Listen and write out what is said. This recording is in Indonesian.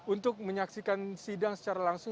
untuk menyaksikan sidang secara langsung